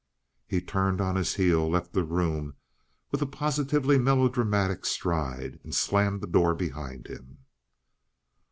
He turned on his heel, left the room with a positively melodramatic stride, and slammed the door behind him.